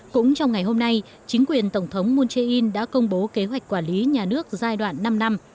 cũng trong ngày hôm nay chính quyền tổng thống moon jae in đã công bố kế hoạch quản lý nhà nước giai đoạn năm năm